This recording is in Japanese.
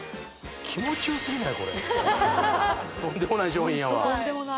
気持ちよすぎない？